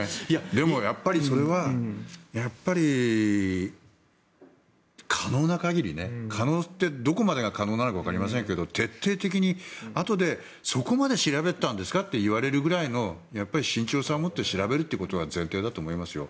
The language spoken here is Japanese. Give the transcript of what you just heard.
でもやっぱりそれは可能な限り可能ってどこまでが可能なのかわかりませんが徹底的に、あとでそこまで調べてたんですかって言われるぐらいの慎重さを持って調べるということは前提だと思いますよ。